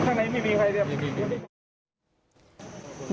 ข้างในมีใครหรือยัง